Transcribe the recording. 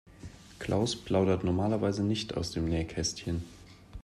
Klaus plaudert normalerweise nicht aus dem Nähkästchen.